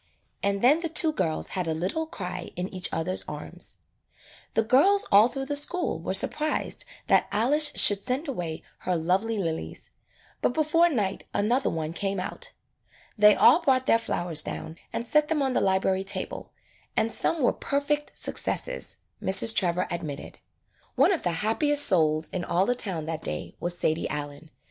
And then the two girls had a little cry in each other's arms. The girls all through the school were sur prised that Alice should send away her lovely lilies, but before night another one came out. They all brought their flowers down and set them on the library table, and some were per fect successes, Mrs. Trevor admitted. One of the happiest souls in all the town that day was Sadie Allen.